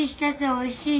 ・おいしい？